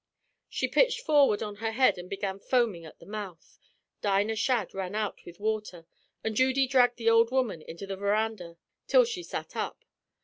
"She pitched forward on her head an' began foamin' at the mouth. Dinah Shadd ran out with water, an' Judy dhragged the ould woman into the veranda till she sat up.